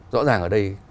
rõ ràng ở đây